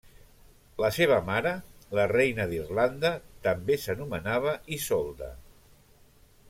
La seva mare, la reina d'Irlanda, també s'anomenava Isolda.